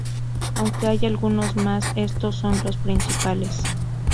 Aunque hay algunos más estos son los principales.